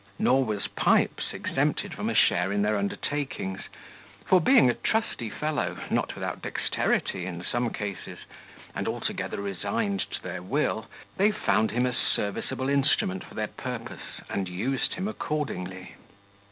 Nor was Pipes exempted from a share in their undertakings; for, being a trusty fellow, not without dexterity in some cases, and altogether resigned to their will, they found him a serviceable instrument for their purpose, and used him accordingly.